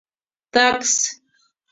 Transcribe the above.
Такс...